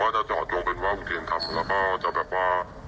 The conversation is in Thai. เขาก็จะจอดโจมเป็นว่าผมเคยทำแล้วก็จะแบบว่า